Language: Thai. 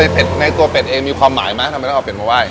เป็ดในตัวเป็ดเองมีความหมายไหมทำไมต้องเอาเป็ดมาไห้